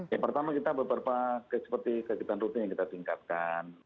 ya pertama kita beberapa seperti kegiatan rutin yang kita tingkatkan